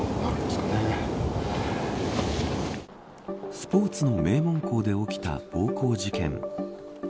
スポーツの名門校で起きた暴行事件。